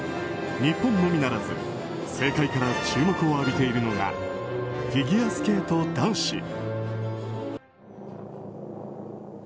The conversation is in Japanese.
日本のみならず世界から注目を浴びているのがフィギュアスケート男子。